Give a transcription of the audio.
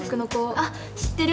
あっ知ってる！